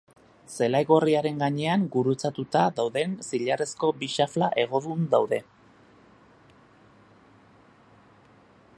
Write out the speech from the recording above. Zelai gorriaren gainean, gurutzatuta dauden zilarrezko bi xafla hegodun daude.